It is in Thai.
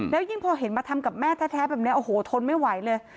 แล้วยิ่งพอเห็นมาทำกับแม่แท้แบบนี้โอ้โหทนไม่ไหวเลย